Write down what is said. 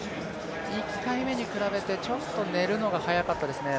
１回目に比べてちょっと寝るのが早かったですね